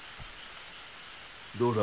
どうだ？